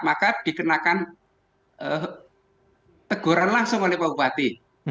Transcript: maka dikenakan teguran langsung oleh pak bupati